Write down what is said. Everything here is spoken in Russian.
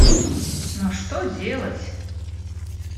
Но что делать!